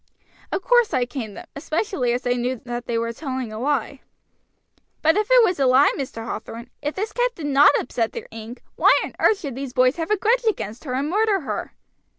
"Of course I caned them, especially as I knew that they were telling a lie." "But if it was a lie, Mr. Hathorn, if this cat did not upset their ink, why on earth should these boys have a grudge against her and murder her?"